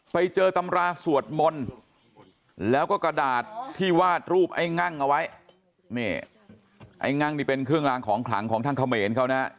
ไปเจอตำราสวดมนต์แล้วก็กระดาษที่วาดรูปไอ้งั่งเอาไว้นี่ไอ้งั่งนี่เป็นเครื่องรางของขลังของทางเขมรเขานะ